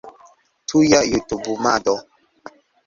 Tuja jutubumado